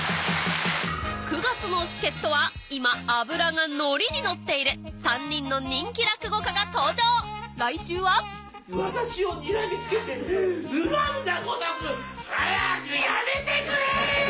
９月の助っ人は今脂が乗りに乗っている３人の人気落語家が登場来週は私をにらみつけて恨むがごとく早くやめてくれ！